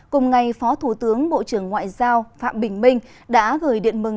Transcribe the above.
cùng ngày phó thủ tướng bộ trưởng ngoại giao phạm bình minh đã gửi điện mừng